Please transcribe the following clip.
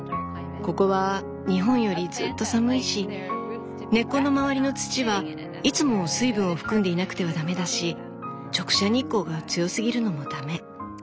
ここは日本よりずっと寒いし根っこの周りの土はいつも水分を含んでいなくては駄目だし直射日光が強すぎるのも駄目。